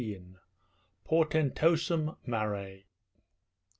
PORTENTOSUM MARE.